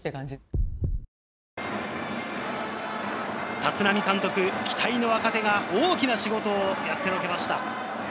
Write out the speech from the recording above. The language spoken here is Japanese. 立浪監督期待の若手が大きな仕事をやってのけました。